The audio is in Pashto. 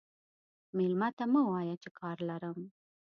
مېلمه ته مه وایه چې کار لرم.